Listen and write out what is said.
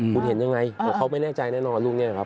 คุณเห็นยังไงเขาไม่แน่ใจแน่นอนลูกนี้ครับ